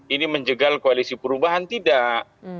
ini menjegal koalisi perubahan tidak